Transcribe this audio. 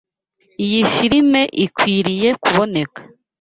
Iyi firime ikwiriye kuboneka.